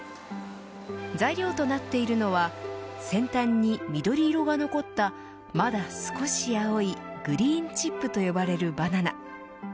材料となっているのは先端に緑色が残ったまだ少し青いグリーンチップと呼ばれるバナナ。